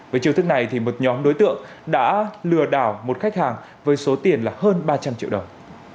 với chiêu thức này một nhóm đối tượng đã lừa đảo một khách hàng với số tiền hơn ba trăm linh triệu đồng